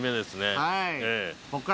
はい。